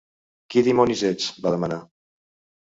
"Qui dimonis ets?", va demanar.